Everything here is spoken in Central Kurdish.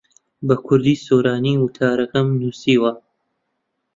بە کوردیی سۆرانی وتارەکەم نووسیوە.